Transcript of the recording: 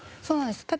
そうなんです。